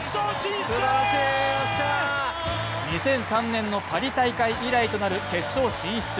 ２００３年のパリ大会以来となる決勝進出。